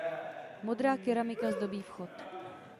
Modrá keramika zdobí vchod.